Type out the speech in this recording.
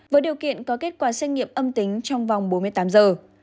với điều kiện có kết quả xét nghiệm âm tính trong vòng bốn mươi tám giờ